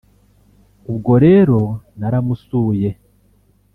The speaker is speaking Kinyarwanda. ubwo rero naramusuye